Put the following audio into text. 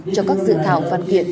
cho các dự thảo phân kiện